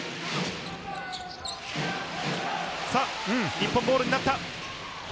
日本ボールになった。